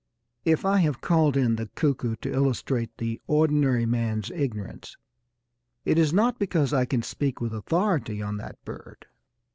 If I have called in the cuckoo to illustrate the ordinary man's ignorance, it is not because I can speak with authority on that bird.